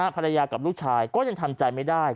ภรรยากับลูกชายก็ยังทำใจไม่ได้